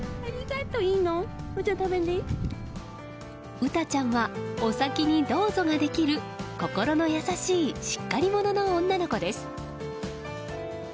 うたちゃんはお先にどうぞができる心の優しいしっかり者の女の子です。